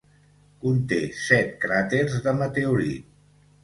Conté set cràters de meteorit.